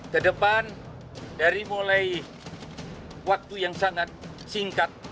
kedepan dari mulai waktu yang sangat singkat